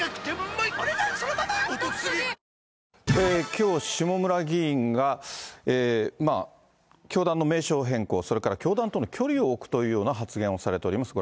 きょう、下村議員が教団の名称変更、それから教団との距離を置くというような発言をされております。